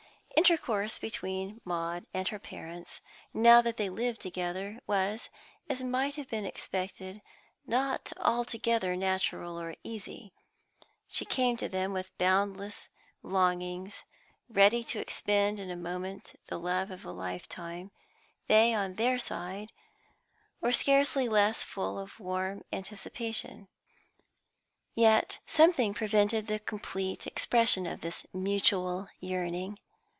Intercourse between Maud and her parents, now that they lived together, was, as might have been expected, not altogether natural or easy. She came to them with boundless longings, ready to expend in a moment the love of a lifetime; they, on their side, were scarcely less full of warm anticipation; yet something prevented the complete expression of this mutual yearning.